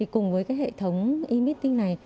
cùng với hệ thống e meeting này